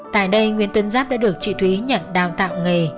tại đây nguyễn tuấn giáp đã được chị thúy nhận đào tạo nghề